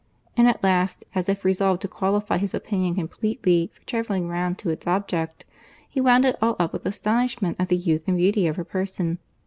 And at last, as if resolved to qualify his opinion completely for travelling round to its object, he wound it all up with astonishment at the youth and beauty of her person.